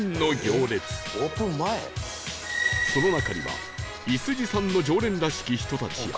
その中にはイス持参の常連らしき人たちや